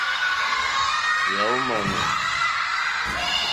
Yàɔ́ !ŋmánɛ́.